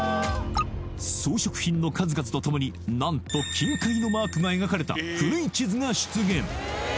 装飾品の数々とともに何と金塊のマークが描かれた古い地図が出現